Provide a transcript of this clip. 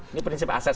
ini prinsip aset